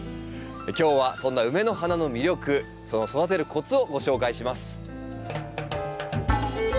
今日はそんなウメの花の魅力その育てるコツをご紹介します。